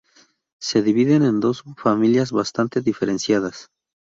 Se dividen en dos subfamilias bastante diferenciadas.